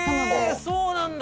そうなんだ！